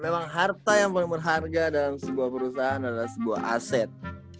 memang harta yang paling berharga dalam sebuah perusahaan adalah sebuah aset